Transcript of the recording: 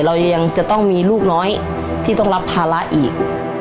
เรายังจะต้องมีลูกน้อยที่ต้องรับภาระอีก